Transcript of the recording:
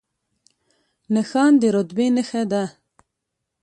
نښان د رتبې نښه ده